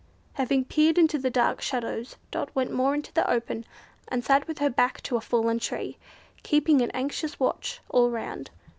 Having peered into the dark shadows, Dot went more into the open, and sat with her back to a fallen tree, keeping an anxious watch all round.